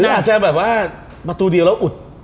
หรืออาจจะแบบว่าบัตรูเดียวแล้วอุด